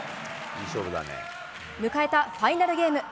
迎えたファイナルゲーム。